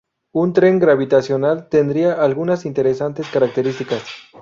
Un tren gravitacional tendría algunas interesantes características.